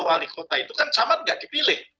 wali kota itu kan camat gak dipilih